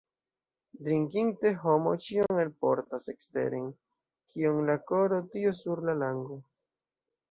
Drinkinte homo ĉion elportas eksteren: kio en la koro, tio sur la lango.